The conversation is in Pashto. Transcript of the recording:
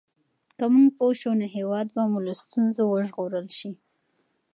که موږ پوه شو نو هېواد به مو له ستونزو وژغورل شي.